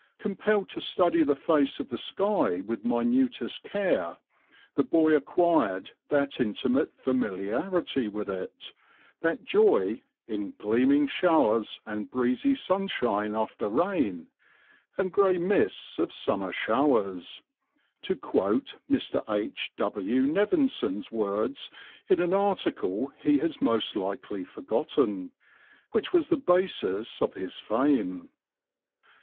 Compelled to study the face of the sky with minutest care, the boy acquired that intimate familiarity with it, that joy "in gleaming showers, and breezy sunshine after rain, and grey mists of summer showers" (to quote Mr. H. W. Nevinson's words in an article he has most likely forgotten), which was the basis of his fame.